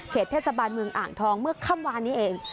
เทศบาลเมืองอ่างทองเมื่อค่ำวานนี้เอง